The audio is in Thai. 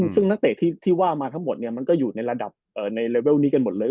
ซึ่งนักเตะที่ว่ามาทั้งหมดเนี่ยมันก็อยู่ในระดับในเลเวลนี้กันหมดเลย